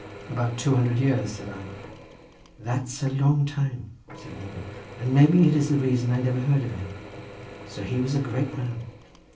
"About two hundred years," said I. "That's a long time," said Morgan, "and maybe is the reason that I never heard of him. So he was a great man?"